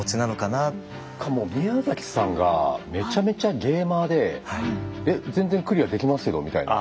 それかもう宮崎さんがめちゃめちゃゲーマーでえ全然クリアーできますけどみたいな。